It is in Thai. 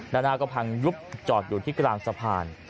หน้าก็พังยุบจอดอยู่ที่กลางสะพาน